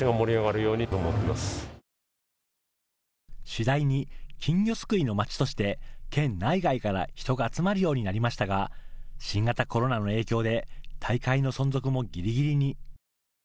次第に金魚すくいの街として県内外から人が集まるようになりましたが新型コロナの影響で大会の存続もギリギリに。